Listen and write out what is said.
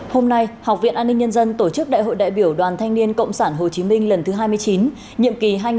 hôm nay học viện an ninh nhân dân tổ chức đại hội đại biểu đoàn thanh niên cộng sản hồ chí minh lần thứ hai mươi chín nhiệm kỳ hai nghìn hai mươi hai nghìn hai mươi năm